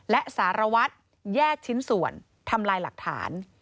และสารวัตรแยกชิ้นส่วนทำลายหลักฐาน